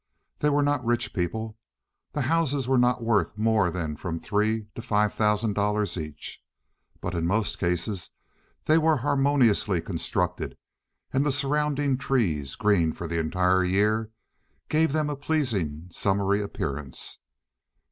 They were not rich people. The houses were not worth more than from three to five thousand dollars each, but, in most cases, they were harmoniously constructed, and the surrounding trees, green for the entire year, gave them a pleasing summery appearance.